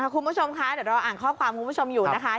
คุณผู้ชมคะเดี๋ยวเราอ่านข้อความคุณผู้ชมอยู่นะคะ